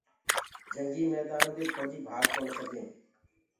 جنگي ميدآنو دي ڦوجي ڀآگ ڪونآ سگي